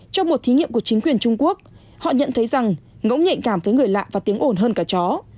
trong một thí nghiệm của chính quyền trung quốc họ nhận thấy rằng ngẫu nhạy cảm với người lạ và tiếng ổn hơn cả chó